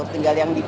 tinggal yang dibuat